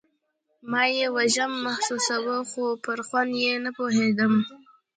ما يې وږم محسوساوه خو پر خوند يې نه پوهېدم.